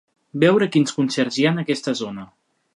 Veure quins concerts hi ha en aquesta zona.